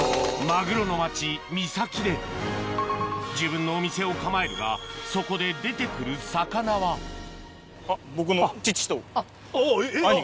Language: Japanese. マグロの町三崎で自分のお店を構えるがそこで出て来る魚は僕の父と兄が。